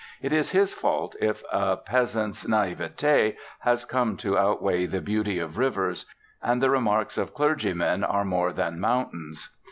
It is his fault if a peasant's naivete has come to outweigh the beauty of rivers, and the remarks of clergymen are more than mountains.